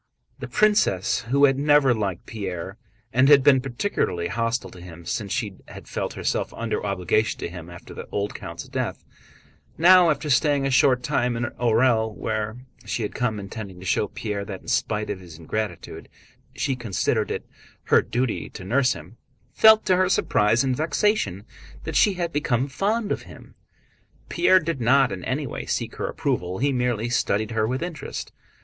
The princess, who had never liked Pierre and had been particularly hostile to him since she had felt herself under obligations to him after the old count's death, now after staying a short time in Orël—where she had come intending to show Pierre that in spite of his ingratitude she considered it her duty to nurse him—felt to her surprise and vexation that she had become fond of him. Pierre did not in any way seek her approval, he merely studied her with interest.